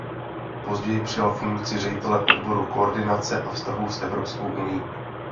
Později přijal funkci ředitele odboru koordinace a vztahů s Evropskou unií.